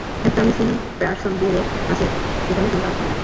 একটা missing person bureau আছে, সেখানে কোনো কাজ হয় না।